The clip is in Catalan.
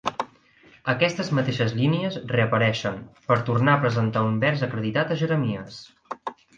Aquestes mateixes línies reapareixen, per tornar a presentar un vers acreditat a Jeremies.